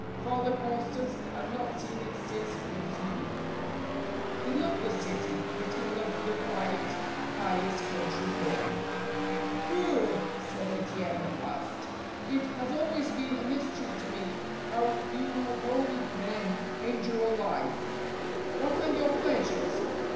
Father Constance had not seen it since his 9 youth. He loved the city, but he loved the quiet, pious country more. " Cure," said Etienne, at last, " it has always been a mystery to me how you holy men endure life. What are your pleasures?